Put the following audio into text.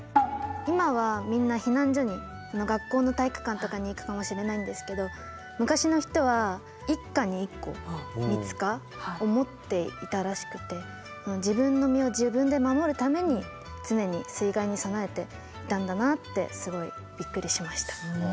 今はみんな避難所に学校の体育館とかに行くかもしれないんですけど昔の人は一家に１個水塚を持っていたらしくて自分の身を自分で守るために常に水害に備えていたんだなってすごいびっくりしました。